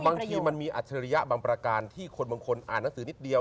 บางทีมันมีอัจฉริยะบางประการที่คนบางคนอ่านหนังสือนิดเดียว